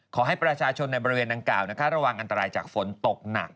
ขอให้ประชาชนในบริเวณดังกล่าวระวังอันตรายจากฝนตกหนัก